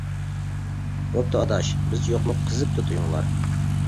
بوپتۇ ئاداش بىز يوقمۇ قىزىپتۇ تويۇڭلار.